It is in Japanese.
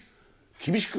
厳しく！